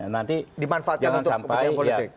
nanti dimanfaatkan untuk kepentingan politik